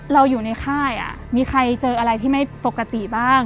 เราอยู่ในค่ายมีใครเจออะไรที่ไม่ปกติบ้าง